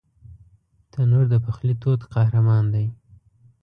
تنور د پخلي تود قهرمان دی